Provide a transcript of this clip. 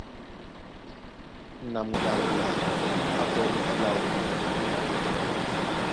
Na muɗaŋgwedi á kwɛ̌ lóki láō ɓwǎmɓwâm.